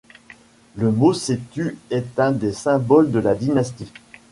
Le mot setu est un des symboles de la dynastie.